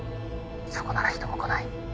「そこなら人も来ない」